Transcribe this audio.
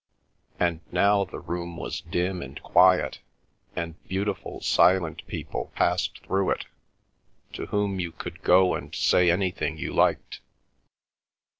And now the room was dim and quiet, and beautiful silent people passed through it, to whom you could go and say anything you liked.